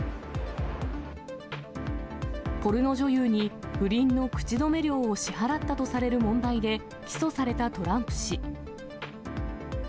ポルノ女優に不倫の口止め料を支払ったとされる問題で、起訴されたトランプ氏。